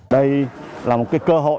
đây là một cơ hội